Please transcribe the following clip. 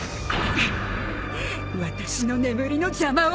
私の眠りの邪魔を！